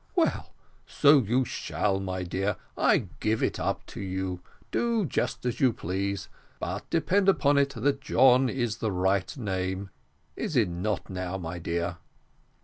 "Well, so you shall, my dear; I give it up to you. Do just as you please; but depend upon it that John is the right name. Is it not now, my dear?"